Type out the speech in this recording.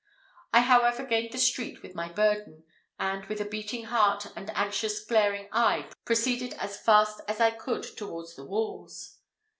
I however gained the street with my burden; and with a beating heart, and anxious glaring eye proceeded as fast as I could towards the walls.